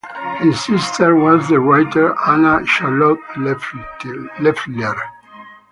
His sister was the writer Anne Charlotte Leffler.